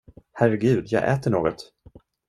Herregud, jag äter något!